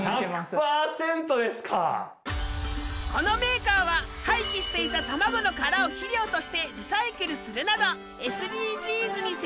このメーカーは廃棄していた卵の殻を肥料としてリサイクルするなどＳＤＧｓに積極的！